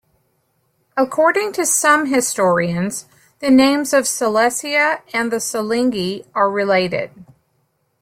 According to some historians, the names of Silesia and the Silingi are related.